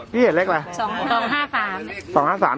พี่เห็นเลขอะไรพี่เห็นเลขอะไร